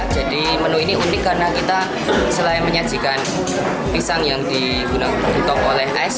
jadi menu ini unik karena kita selain menyajikan pisang yang digunakan oleh es